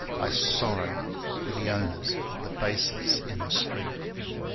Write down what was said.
I sorrow for the owners of the faces in the street.